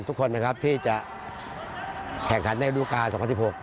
ทุกคนที่จะแข่งขันในวัดธุรการณ์๒๐๑๖